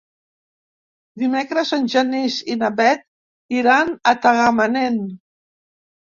Dimecres en Genís i na Bet iran a Tagamanent.